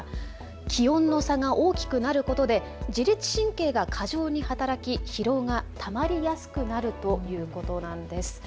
気温の差が大きくなることで自律神経が過剰に働き疲労がたまりやすくなるということなんです。